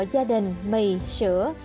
gia đình mì sữa